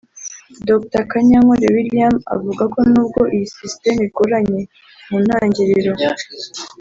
Dr Kanyankore William avuga ko n’ubwo iyi systeme igoranye mu ntangiriro